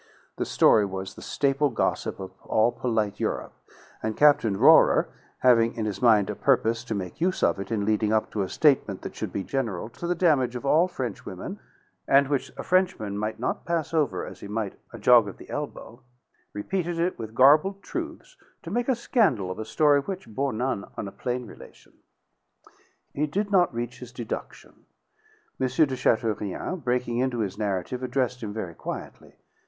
The story was the staple gossip of all polite Europe; and Captain Rohrer, having in his mind a purpose to make use of it in leading up to a statement that should be general to the damage of all Frenchwomen, and which a Frenchman might not pass over as he might a jog of the elbow, repeated it with garbled truths to make a scandal of a story which bore none on a plain relation. He did not reach his deduction. M. de Chateaurien, breaking into his narrative, addressed him very quietly.